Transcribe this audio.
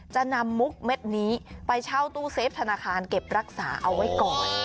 จะนำมุกเม็ดนี้ไปเช่าตู้เซฟธนาคารเก็บรักษาเอาไว้ก่อน